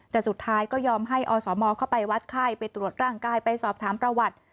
แต่สุดท้ายก็ยอมให้อสมเข้าไปวัดไข้ไปตรวจร่างกายไปสอบถามประวัติ